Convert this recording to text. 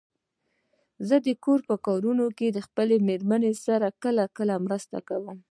زه د کور په کارونو کې خپل د مېرمن سره کله ناکله مرسته کوم.